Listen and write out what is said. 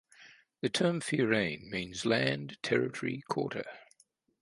The term "fearainn" means "land, territory, quarter".